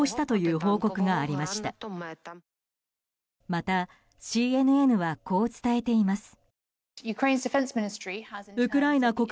また、ＣＮＮはこう伝えています。